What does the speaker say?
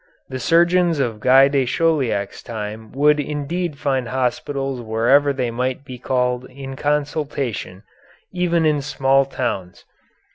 The surgeons of Guy de Chauliac's time would indeed find hospitals wherever they might be called in consultation, even in small towns.